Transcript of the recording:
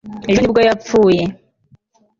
ejo ni bwo yapfuye